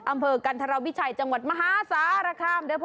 อำเภอกันธรวิชัยจังหวัดมหาสารคาม